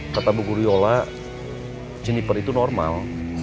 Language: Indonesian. kata bu guriola jeniper itu normal